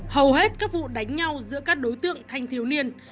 hầu hết các vụ đánh nhau giữa các đối tượng thanh thiếu niên